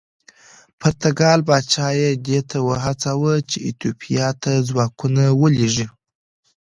پرتګال پاچا یې دې ته وهڅاوه چې ایتوپیا ته ځواکونه ولېږي.